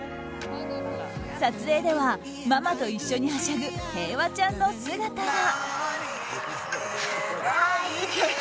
撮影ではママと一緒にはしゃぐ平和ちゃんの姿が。